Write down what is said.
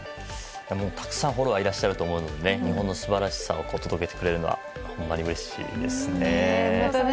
たくさんフォロワーがいらっしゃると思うので日本の素晴らしさを届けてくれるのはうれしいですね。